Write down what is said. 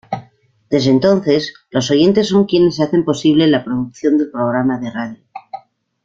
Desde entonces, los oyentes son quienes hacen posible la producción del programa de radio.